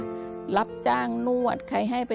ทำงานชื่อนางหยาดฝนภูมิสุขอายุ๕๔ปี